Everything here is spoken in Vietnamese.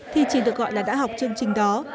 thì chỉ được gọi là đã học chương trình đó